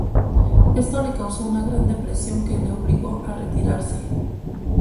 Esto le causó una gran depresión que le obligó a retirarse.